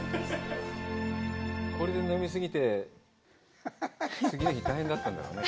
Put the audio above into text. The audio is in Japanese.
これで飲み過ぎて、次の日大変だったんだろうな。